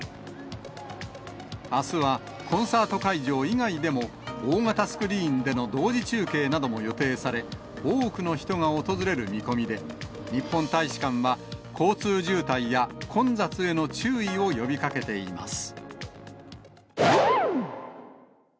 あすはコンサート会場以外でも、大型スクリーンでの同時中継なども予定され、多くの人が訪れる見込みで、日本大使館は、交通渋滞や混雑への注意を呼びかけています。